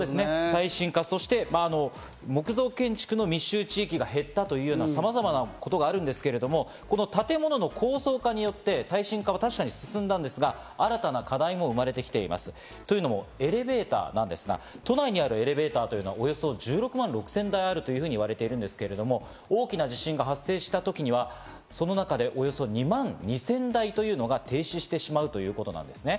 耐震化、そして木造建築の密集地域が減ったというような、さまざまなことがあるんですけど、建物の高層化によって耐震化は確かに進んだんですが、新たな課題も生まれてきています、というのも、エレベーターなんですが、都内にあるエレベーターとはおよそ１６万６０００台あると言われているんですけど、大きな地震が発生した時には、その中でおよそ２万２０００台というのが停止してしまうということなんですね。